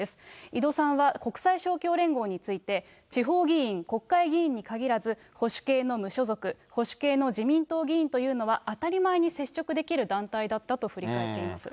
井戸さんは、国際勝共連合について、地方議員、国会議員に限らず、保守系の無所属、保守系の自民党議員というのは、当たり前に接触できる団体だったと振り返っています。